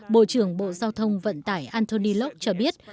bộ trưởng bộ giao thông vận tải anthony locke cho biết